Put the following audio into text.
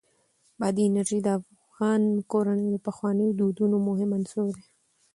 بادي انرژي د افغان کورنیو د پخوانیو دودونو مهم عنصر دی.